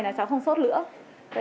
là cháu không sốt nữa